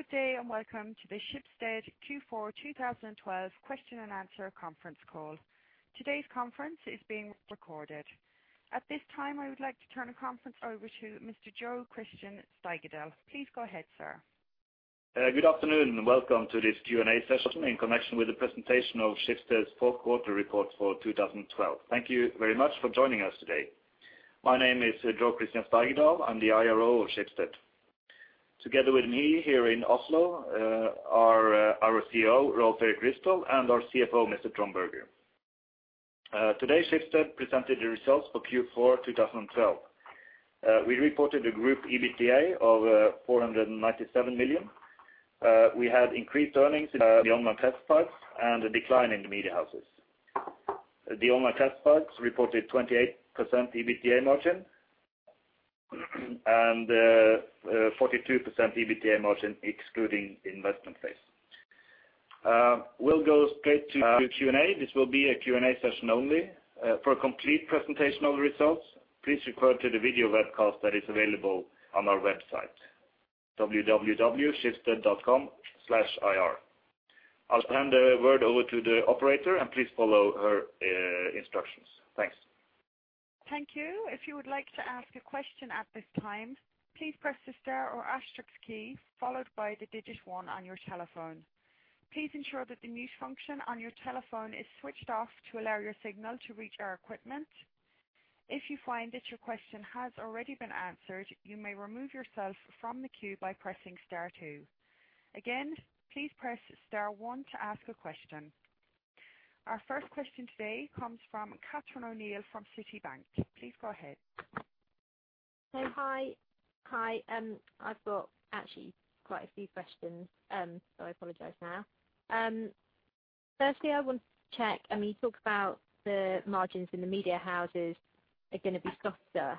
Good day and welcome to the Schibsted Q4 2012 question and answer conference call. Today's conference is being recorded. At this time, I would like to turn the conference over to Mr. Jo Christian Steigedal. Please go ahead, sir. Good afternoon and welcome to this Q&A session in connection with the presentation of Schibsted's fourth quarter report for 2012. Thank you very much for joining us today. My name is Jo Christian Steigedal. I'm the IRO of Schibsted. Together with me here in Oslo, are our CEO, Rolv Erik Ryssdal, and our CFO, Mr. Trond Berger. Today, Schibsted presented the results for Q4 2012. We reported a group EBITDA of 497 million. We had increased earnings beyond our classifieds and a decline in the media houses. The online classifieds reported 28% EBITDA margin and 42% EBITDA margin excluding investment phase. We'll go straight to Q&A. This will be a Q&A session only. For a complete presentation of the results, please refer to the video webcast that is available on our website, www.schibsted.com/ir. I'll hand the word over to the operator, please follow her instructions. Thanks. Thank you. If you would like to ask a question at this time, please press the star or asterisk key followed by the digit one on your telephone. Please ensure that the mute function on your telephone is switched off to allow your signal to reach our equipment. If you find that your question has already been answered, you may remove yourself from the queue by pressing star two. Again, please press star one to ask a question. Our first question today comes from Catherine O'Neill from Citi. Please go ahead. Hey. Hi. Hi. I've got actually quite a few questions. I apologize now. Firstly, I want to check, I mean, you talked about the margins in the media houses are gonna be softer.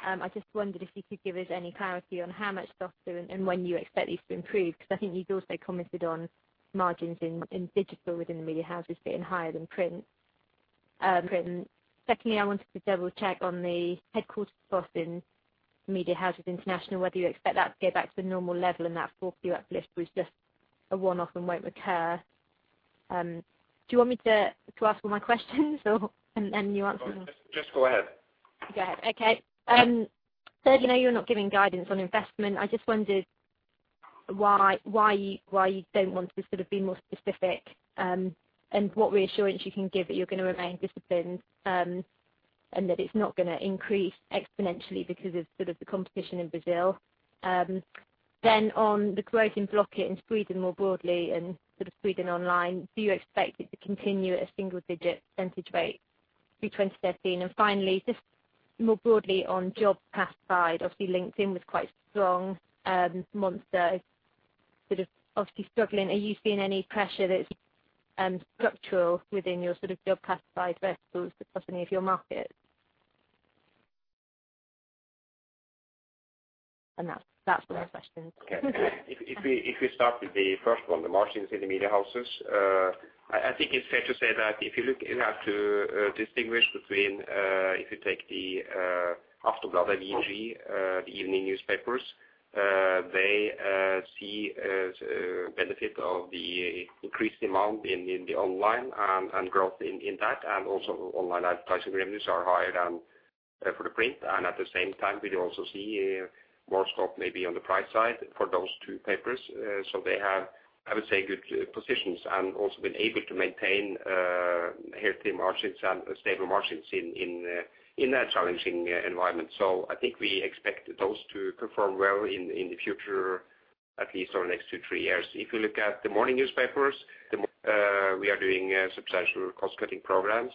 I just wondered if you could give us any clarity on how much softer and when you expect these to improve, because I think you've also commented on margins in digital within the media houses being higher than print. Secondly, I wanted to double-check on the headquarters cost in media houses international, whether you expect that to go back to the normal level and that fourth quarter uplift was just a one-off and won't recur. Do you want me to ask all my questions or and you answer them? No, just go ahead. Go ahead. Okay. Thirdly, you're not giving guidance on investments. I just wondered why you don't want to sort of be more specific, and what reassurance you can give that you're gonna remain disciplined, and that it's not gonna increase exponentially because of sort of the competition in Brazil. On the growth in Blocket in Sweden more broadly and sort of Sweden online, do you expect it to continue at a single-digit percentage rate through 2013? Finally, just more broadly on Jobs side, obviously LinkedIn was quite strong. Monster is sort of obviously struggling. Are you seeing any pressure that's structural within your sort of Jobs side verticals across any of your markets? That's all my questions. Okay. If we start with the first one, the margins in the media houses. I think it's fair to say that if you look, you have to distinguish between if you take the Aftonbladet, the evening newspapers. They see a benefit of the increased amount in the online and growth in that, and also online advertising revenues are higher than for the print. At the same time, we also see more scope maybe on the price side for those two papers. They have, I would say, good positions and also been able to maintain healthy margins and stable margins in that challenging environment. I think we expect those to perform well in the future, at least over the next two, three years. If you look at the morning newspapers, we are doing substantial cost-cutting programs.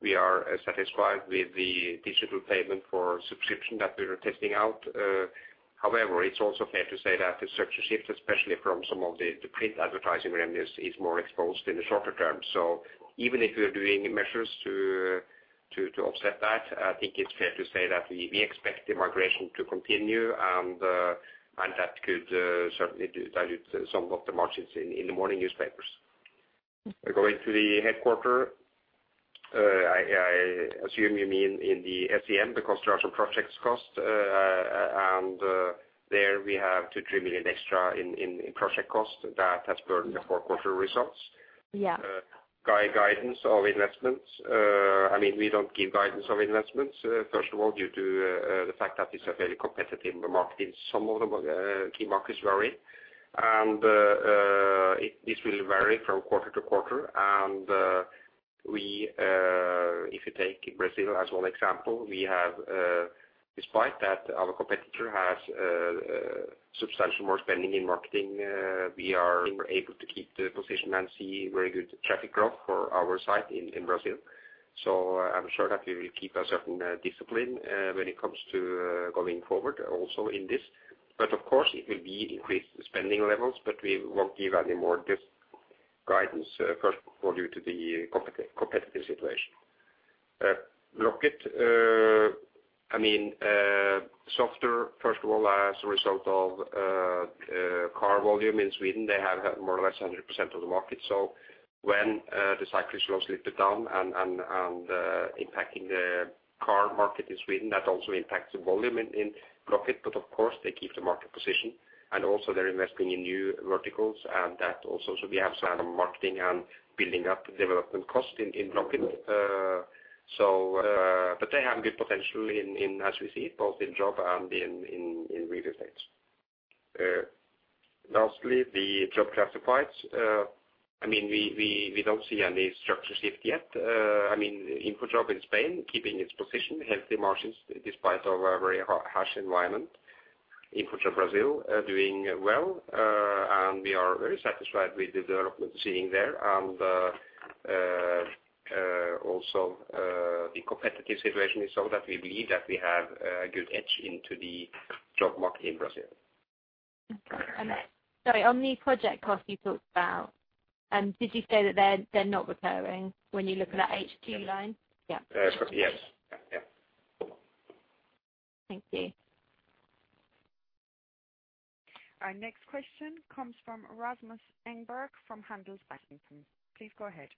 We are satisfied with the digital payment for subscription that we are testing out. However, it's also fair to say that the structural shift, especially from some of the print advertising revenues, is more exposed in the shorter term. Even if we are doing measures to offset that, I think it's fair to say that we expect the migration to continue and that could certainly dilute some of the margins in the morning newspapers. Going to the headquarter, I assume you mean in the SCM, the construction projects cost, and there we have 2 million-3 million extra in project costs that has burdened the fourth quarter results. Yeah. Guidance of investments. I mean, we don't give guidance of investments, first of all, due to the fact that it's a very competitive market in some of the key markets vary. This will vary from quarter to quarter. If you take Brazil as one example, we have despite that our competitor has substantial more spending in marketing, we're able to keep the position and see very good traffic growth for our side in Brazil. I'm sure that we will keep a certain discipline when it comes to going forward also in this. Of course, it will be increased spending levels, but we won't give any more guidance, first of all, due to the competitive situation. Blocket, I mean, softer, first of all, as a result of car volume in Sweden, they have more or less 100% of the market. When the cycle slows little bit down and impacting the car market in Sweden, that also impacts the volume in Blocket. Of course they keep the market position and also they're investing in new verticals and that also should have some marketing and building up development costs in Blocket. They have good potential in as we see it, both in job and in real estate. Lastly, the job classifieds. I mean, we don't see any structure shift yet. I mean, InfoJobs in Spain keeping its position, healthy margins despite of a very harsh environment. InfoJobs Brazil are doing well, and we are very satisfied with the development we're seeing there. Also, the competitive situation is so that we believe that we have a good edge into the job market in Brazil. Okay. Sorry, on the project costs you talked about, did you say that they're not recurring when you're looking at HQ line? Yes. Yeah. Yes. Yeah, yeah. Thank you. Our next question comes from Rasmus Engberg from Handelsbanken. Please go ahead.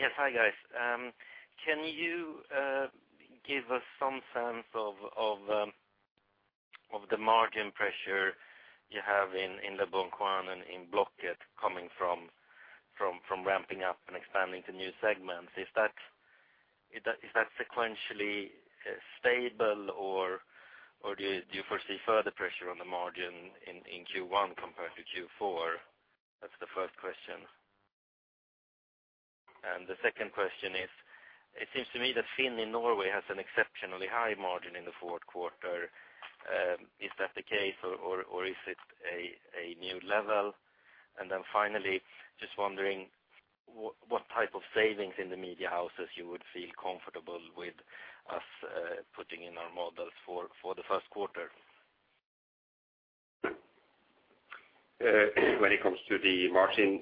Yes, hi guys. Can you give us some sense of the margin pressure you have in Leboncoin and in Blocket coming from ramping up and expanding to new segments? Is that sequentially stable or do you foresee further pressure on the margin in Q1 compared to Q4? That's the first question. The second question is, it seems to me that FINN.no in Norway has an exceptionally high margin in the fourth quarter. Is that the case or is it a new level? Finally, just wondering what type of savings in the media houses you would feel comfortable with us putting in our models for the first quarter? When it comes to the margin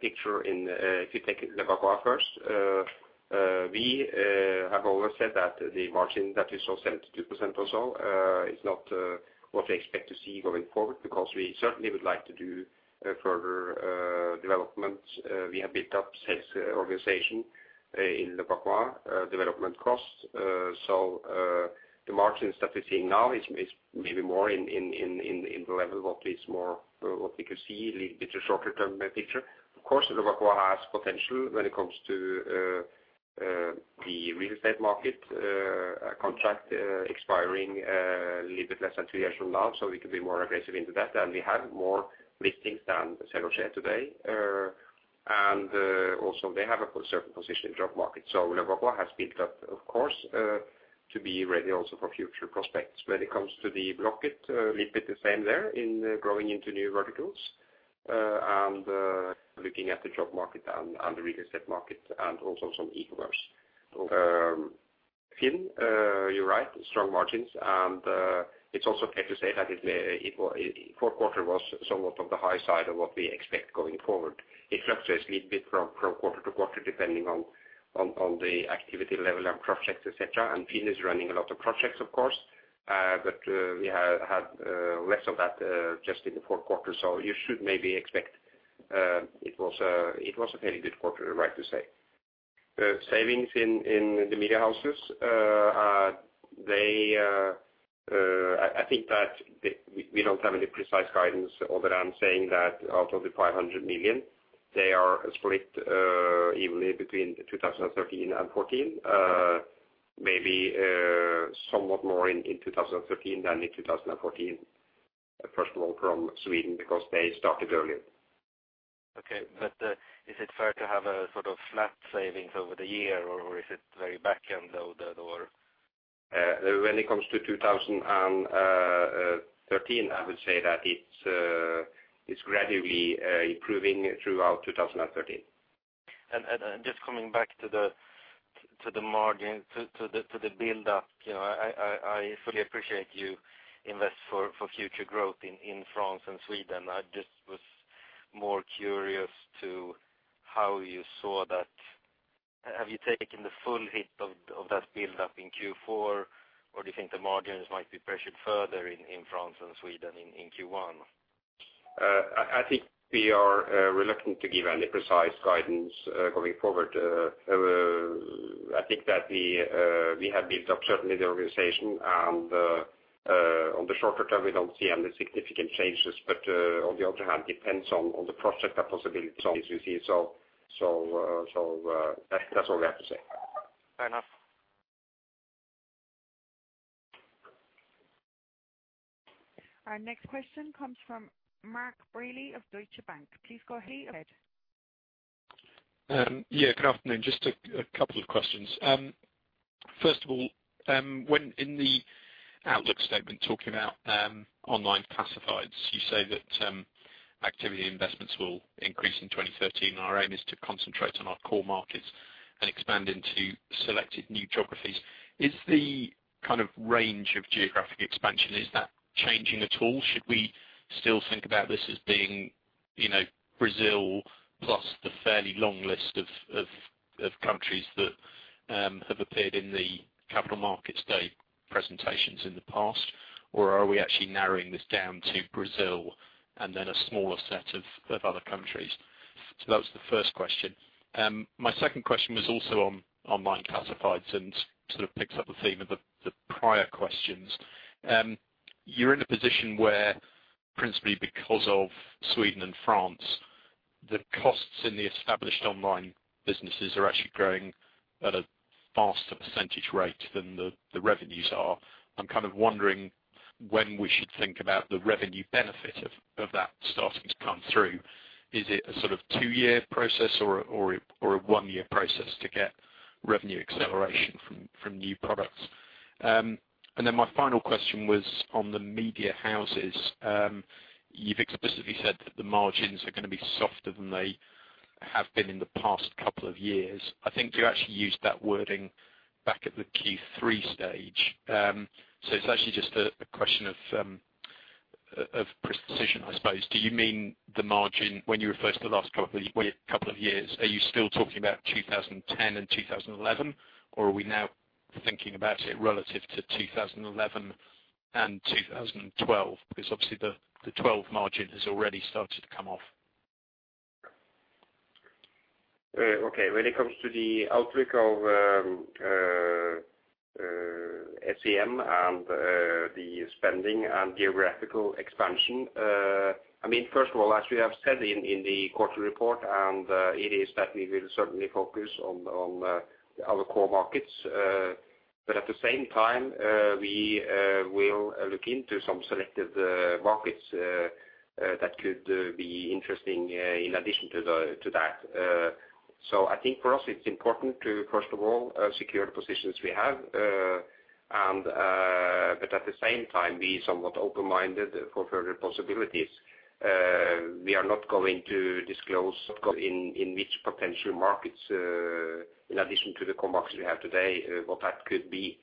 picture in, if you take Leboncoin first, we have always said that the margin that we saw 72% or so, is not what we expect to see going forward because we certainly would like to do further development. We have built up sales organization in Leboncoin, development costs. The margins that we're seeing now is maybe more in the level what is more what we could see a little bit shorter term picture. Of course, Leboncoin has potential when it comes to the real estate market, contract expiring a little bit less than two years from now, so we can be more aggressive into that. We have more listings than SeLoger today. Also they have a certain position in job market. Leboncoin has built up, of course, to be ready also for future prospects. When it comes to Blocket, a little bit the same there in growing into new verticals, and looking at the job market and the real estate market and also some e-commerce. FINN.no, you're right, strong margins, and it's also fair to say that the fourth quarter was somewhat on the high side of what we expect going forward. It fluctuates a little bit from quarter to quarter, depending on the activity level and projects, et cetera. FINN.no is running a lot of projects of course, but we have less of that just in the fourth quarter. You should maybe expect, it was a very good quarter, right to say. Savings in the media houses, they, I think that we don't have any precise guidance other than saying that out of the 500 million, they are split evenly between 2013 and 2014. Maybe, somewhat more in 2013 than in 2014, first of all from Sweden because they started earlier. Okay. Is it fair to have a sort of flat savings over the year or is it very back end loaded or? When it comes to 2013, I would say that it's gradually improving throughout 2013. Just coming back to the margin to the build up, you know, I fully appreciate you invest for future growth in France and Sweden. I just was more curious to how you saw that. Have you taken the full hit of that build up in Q4 or do you think the margins might be pressured further in France and Sweden in Q1? I think we are reluctant to give any precise guidance going forward. I think that we have built up certainly the organization and, on the shorter term, we don't see any significant changes. On the other hand, depends on the project and possibilities as we see. That's all we have to say. Fair enough. Our next question comes from Mark Braley of Deutsche Bank. Please go ahead. Yeah, good afternoon. Just a couple of questions. First of all, when in the outlook statement talking about online classifieds, you say that activity investments will increase in 2013. Our aim is to concentrate on our core markets and expand into selected new geographies. Is the kind of range of geographic expansion, is that changing at all? Should we still think about this as being, you know, Brazil plus the fairly long list of countries that have appeared in the capital markets day presentations in the past. Are we actually narrowing this down to Brazil and then a smaller set of other countries? That was the first question. My second question was also on online classifieds and sort of picks up the theme of the prior questions. You're in a position where principally because of Sweden and France, the costs in the established online businesses are actually growing at a faster percentage rate than the revenues are. I'm kind of wondering when we should think about the revenue benefit of that starting to come through. Is it a sort of two-year process or a one-year process to get revenue acceleration from new products? My final question was on the media houses. You've explicitly said that the margins are gonna be softer than they have been in the past couple of years. I think you actually used that wording back at the Q3 stage. It's actually just a question of precision, I suppose. Do you mean the margin when you refer to the last couple, well, couple of years, are you still talking about 2010 and 2011? Are we now thinking about it relative to 2011 and 2012? Obviously the 2012 margin has already started to come off. Okay. When it comes to the outlook of SCM and the spending and geographical expansion, I mean, first of all, as we have said in the quarterly report, it is that we will certainly focus on our core markets. At the same time, we will look into some selected markets that could be interesting in addition to that. I think for us it's important to first of all, secure the positions we have. At the same time, be somewhat open-minded for further possibilities. We are not going to disclose in which potential markets in addition to the core markets we have today, what that could be.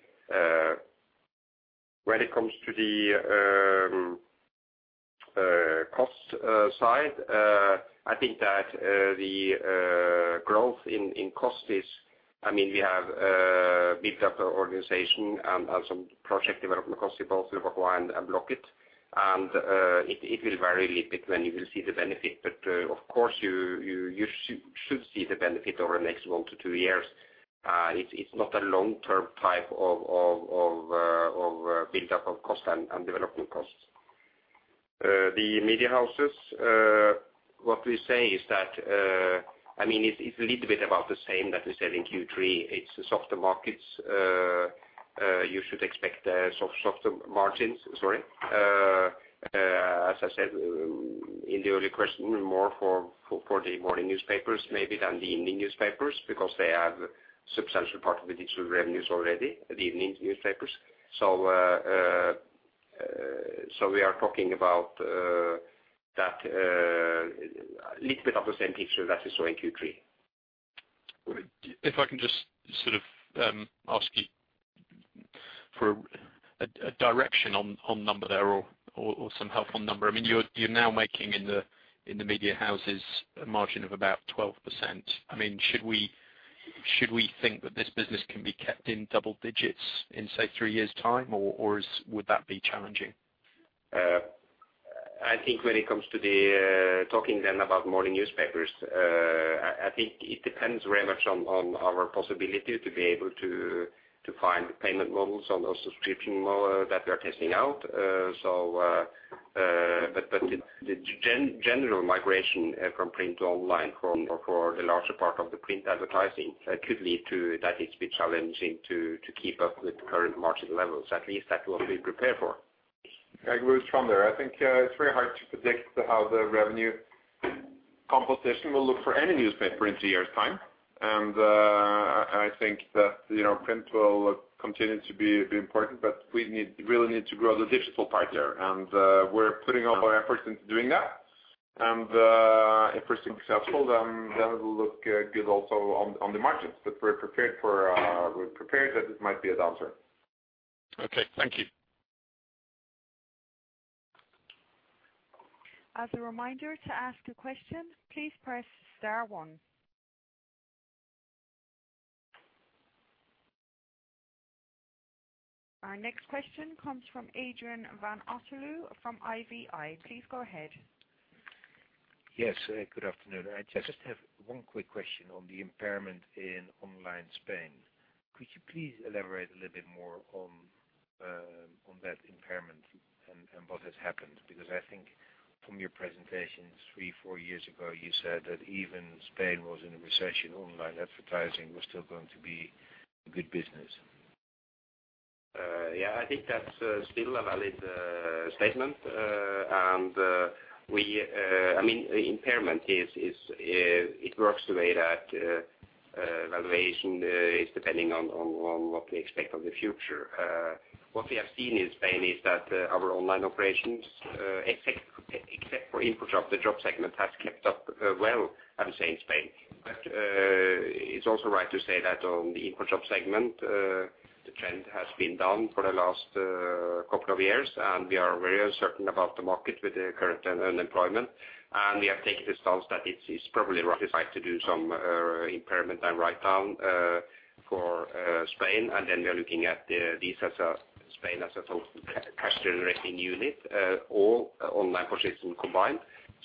When it comes to the cost side, I think that the growth in cost is, I mean, we have built up our organization and some project development costs in both Schibsted and Blocket. It will vary a little bit when you will see the benefit, but of course you should see the benefit over the next one to two years. It's not a long-term type of buildup of cost and development costs. The media houses, what we say is that, I mean, it's a little bit about the same that we said in Q3. It's softer markets. You should expect soft, softer margins, sorry. As I said in the early question, more for the morning newspapers maybe than the evening newspapers because they have substantial part of the digital revenues already, the evening newspapers. We are talking about that little bit of the same picture that we saw in Q3. If I can just sort of ask you for a direction on number there or some help on number. I mean, you're now making in the media houses a margin of about 12%. I mean, should we think that this business can be kept in double digits in, say, three years time? Or would that be challenging? I think when it comes to talking about morning newspapers, I think it depends very much on our possibility to be able to find payment models on those subscription models that we are testing out. But the general migration from print to online for the larger part of the print advertising could lead to that. It is a bit challenging to keep up with current margin levels, at least that is what we prepare for I agree with Trond. I think it's very hard to predict how the revenue composition will look for any newspaper in two years time. I think that, you know, print will continue to be important, but we really need to grow the digital part there. We're putting all our efforts into doing that. If we're successful, then it'll look good also on the margins. We're prepared that it might be a downturn. Okay, thank you. As a reminder to ask a question, please press star one. Our next question comes from Adrian van Otterloo from IVI. Please go ahead. Yes, good afternoon. I just have one quick question on the impairment in online Spain. Could you please elaborate a little bit more on that impairment and what has happened? I think from your presentations three, four years ago, you said that even Spain was in a recession, online advertising was still going to be a good business. Yeah. I think that's still a valid statement. We, I mean, impairment is, it works the way that valuation is depending on what we expect of the future. What we have seen in Spain is that our online operations, except for InfoJobs, the job segment, has kept up, well, I would say in Spain. It's also right to say that on the InfoJobs segment, the trend has been down for the last couple of years, and we are very uncertain about the market with the current unemployment. We have taken the stance that it's probably right to do some impairment and write down for Spain. We are looking at these as a Spain as a total cash-generating unit, all online positions combined.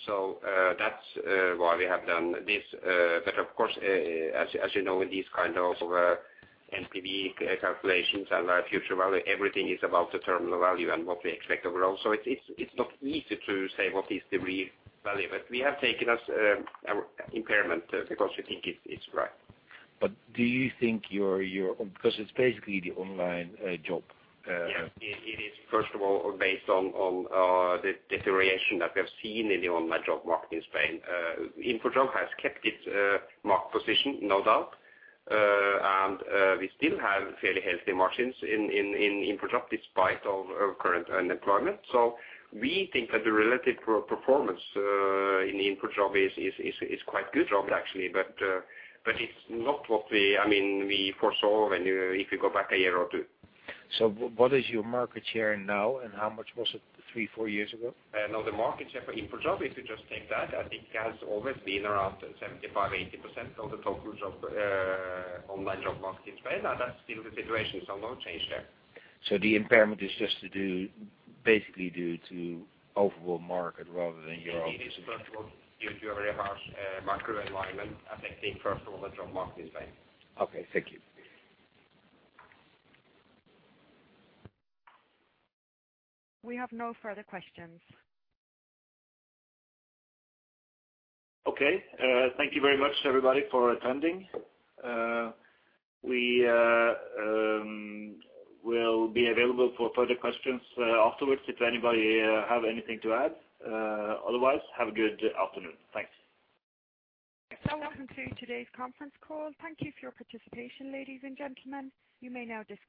That's why we have done this. Of course, as you know, with these kind of NPV calculations and our future value, everything is about the terminal value and what we expect overall. It's not easy to say what is the real value, but we have taken as our impairment because we think it's right. Do you think your... 'Cause it's basically the online job? It is, first of all, based on the deterioration that we have seen in the online job market in Spain. InfoJobs has kept its market position, no doubt. We still have fairly healthy margins in InfoJobs despite of current unemployment. We think that the relative performance in InfoJobs is quite good job actually. It's not, I mean, we foresaw if you go back a year or two. What is your market share now, and how much was it three, four years ago? No, the market share for InfoJobs, if you just take that, I think has always been around 75%-80% of the total job, online job market in Spain. That's still the situation, so no change there. The impairment is just to do, basically due to overall market rather than your own decision? It is first of all due to a very harsh macro environment affecting first of all the job market in Spain. Okay, thank you. We have no further questions. Okay. Thank you very much, everybody, for attending. We will be available for further questions afterwards if anybody have anything to add. Otherwise, have a good afternoon. Thanks. That concludes today's conference call. Thank you for your participation, ladies and gentlemen. You may now disconnect.